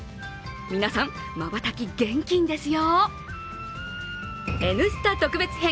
皆さん、まばたき厳禁ですよ。